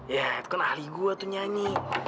ya itu kan ahli gua tuh nyanyi